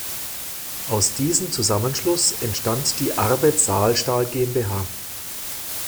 Aus diesem Zusammenschluss entstand die "Arbed Saarstahl GmbH".